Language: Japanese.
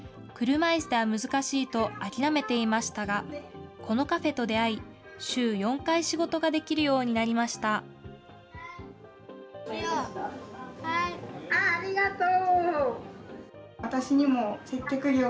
車いすでは難しいと諦めていましたが、このカフェと出会い、週４回、仕事ができるようになりましああ、ありがとう。